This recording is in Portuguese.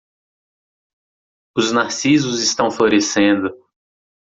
Os narcisos estão florescendo.